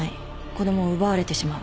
子供を奪われてしまう。